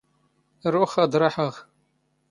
ⵔⵓⵅ ⴰⴷ ⵕⴰⵃⵖ.